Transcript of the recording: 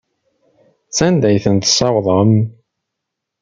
Sanda ay tent-tessawḍem?